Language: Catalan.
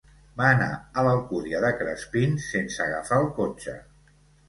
Va anar a l'Alcúdia de Crespins sense agafar el cotxe.